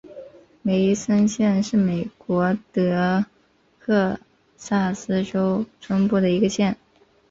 梅森县是美国德克萨斯州中部的一个县。